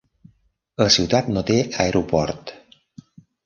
La ciutat no té aeroport.